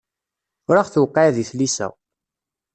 Ur aɣ-tewqiɛ di tlisa.